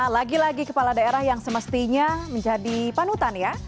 lagi lagi kepala daerah yang semestinya menjadi panutan ya